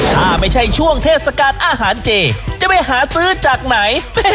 ถ้าไม่ใช่ช่วงเทศกาลอาหารเจจะไปหาซื้อจากไหน